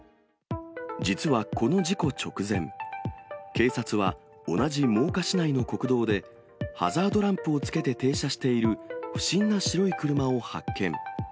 実はこの事故直前、警察は同じ真岡市内の国道で、ハザードランプをつけて停車している不審な白い車を発見。